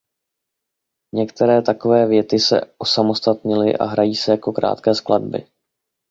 Některé takové věty se osamostatnily a hrají se jako krátké skladby.